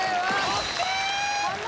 ＯＫ！